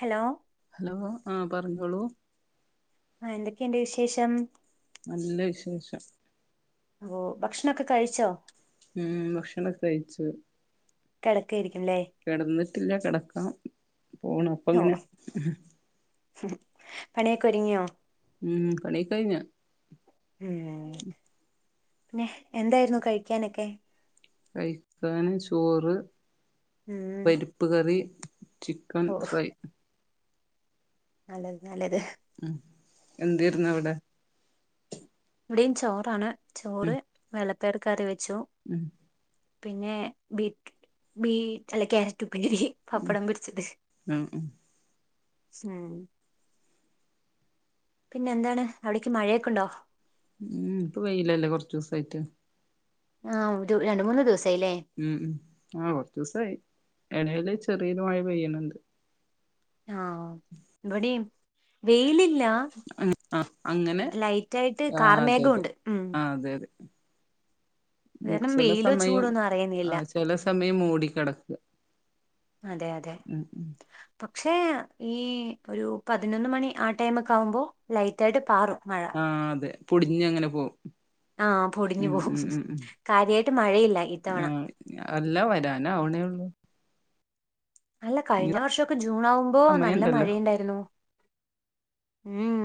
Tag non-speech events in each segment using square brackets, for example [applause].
Hello hello ആഹ് പറഞ്ഞോളൂ ആഹ് എന്തൊക്കെ ഇണ്ട് വിശേഷം? നല്ല വിശേഷം. ഓഹ് ഭക്ഷണൊക്കെ കഴിച്ചോ? ഉം ഭക്ഷണൊക്കെ കഴിച്ചു. കെടക്കായിരിക്കും ല്ലേ? കെടന്നിട്ടില്ല കെടക്കാം പോണം അപ്പങ്ങനെ പണിയൊക്കൊരുങ്ങിയോ? ഉം പണിയൊക്കയ്ഞ്ഞ്. ഉം പിന്നെ, എന്തായിരുന്നു കഴിക്ക്യാനൊക്കെ? കഴിക്കാന് ചോറ്, ഉം പരിപ്പ് കറി, ചിക്കൻ ഓ ഫ്രൈ. നല്ലത് നല്ലത്. ഉം എന്തേര്ന്നു അവ്ടെ? ഇവിടെയും ചോറാണ് ഉം ചോറ് വെള്ളപ്പയർ കറി വെച്ചു. ഉം പിന്നെ ബീട്ട് ബീറ്റ് അല്ല ക്യാരറ്റ് ഉപ്പേരി. പപ്പടം പൊരിച്ചത് ആ ഉം ഉം. പിന്നെ എന്താണ് അവിടെക്ക്യ് മഴയൊക്കെണ്ടോ? ഊംഉം. ഇപ്പൊ വെയിലല്ലേ കൊറച്ചൂസായിട്ട്. ആഹ് ഒരു രണ്ട് മൂന്ന് ദിവസായില്ലേ. ഉം ഉം. ആഹ് കൊറച്ചൂസായി. എടേല് ചെറിയൊരു മഴ പെയ്യ്ണ് ണ്ട്. ആഹ് ഇവടിം വെയിലില്ലാ ആ അങ്ങനെ ലൈറ്റായിട്ട് ആ കാർ മേഘ അതെ അതെ ഉണ്ട് ഉം. അതെ അതെ. മു കാരണം ചെല വെയിലോ സമയം ചൂടൊന്നും അറിയുന്നില്ല ആഹ് ചെല സമയം മൂടിക്കെടക്കാ. അതെ അതെ ഉം ഉം. പക്ഷേ ഈ ഒരു പതിനൊന്ന് മണി ആ ടൈമൊക്കെ ആവുമ്പോ ലൈറ്റ് ആയിട്ട് പാറും മഴ. ആഹ് അതെ പൊടിഞ്ഞങ്ങനെ പോവും. ആഹ് പൊടിഞ്ഞു ഉം പോവും. ഉം ഉം ഉം കാര്യായിട്ട് മഴയില്ല ഇത്തവണ. ആഹ് അല്ല വരാനാവ്ണേ ഉള്ളൂ. അല്ല ഇനി കഴിഞ്ഞ വർഷൊക്കെ ജൂൺ ആവുമ്പോ നല്ല സമയണ്ടല്ലോ മഴയ്ണ്ടായിരുന്നു. ഉം ഉം.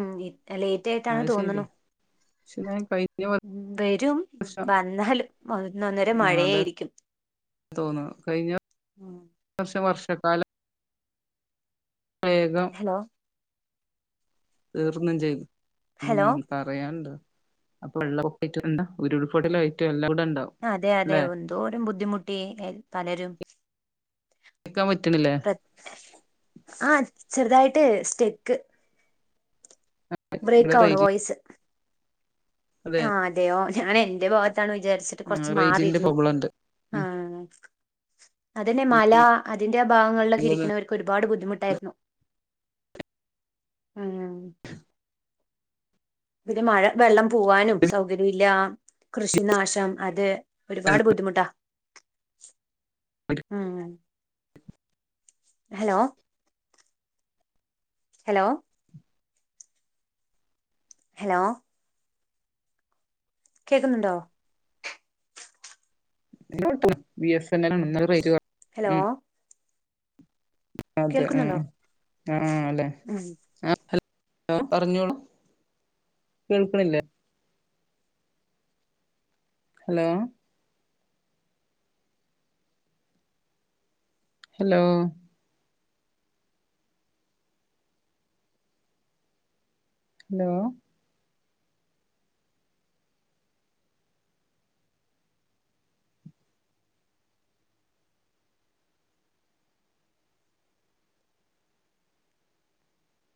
അഹ് ലേറ്റായിട്ടാണ് അത് ശരി തോന്ന്ണു. പക്ഷെ ന്നാ കഴിഞ്ഞ വ ഉം വരും വന്നാലും ഒന്നൊന്നര മഴയായിരിക്കും. തോന്നാ. കഴിഞ്ഞ ഉം വർഷം വർഷക്കാലം വേഗം ഹലോ തീർന്നും ചെയ്ത്. ഹലോ ഉം. പറയാന്ണ്ടോ. അപ്പൊ വെള്ളപ്പൊക്കേയ്റ്റും [unintelligible] ഉരുപൊട്ടലായിട്ടും എല്ലം കൂടെണ്ടാവും. അതെ അതെ എന്തോരം ബുദ്ധിമുട്ടി എ പലരും. കേക്കാൻ പറ്റ്ണില്ലേ? ആഹ് ചെറുതായിട്ട് സ്റ്റെക്ക്. അ ബ്രേക് ആവ്ണ് വോയിസ് അതെ ആ അതെയോ ഞാനന്റെ ഭാഗത്താണ് വിചാരിച്ച് ആഹ് കൊർച്ച് റേഞ്ചിന്റെ മാറിയിര്ന്ന് പ്രോബ്ലം ഉണ്ട് ഉം ആഹ് അതന്നെ ഉം മല അതിന്റെ ഭാഗങ്ങൾലൊക്കെ ഇവിടെ ഇരിക്കുണോര് ഒരുപാട് ബുദ്ധിമുട്ടായ്ര്ന്നു ഉം പിന്നെ മഴ വെള്ളം പോവാനും സൗകര്യുല്ല. കൃഷിനാശം അത് ഒരുപാട് ബുദ്ധിമുട്ടാ ഉം ഹലോ. ഹലോ. ഹലോ. കേക്ക്ന്ന്ണ്ടോ ബിഎസന്നലാണ് ഇന്നല റയ്ഞ്ച് കൊ ഹലോ. അതെ ആഹ് കേൾക്കുന്നുണ്ടോ അഹ് ആഹ് ലെ. ഉം ആ ഹലോ പറഞ്ഞോളു കേൾക്ക്ണില്ലേ? ഹലോ. Hello hello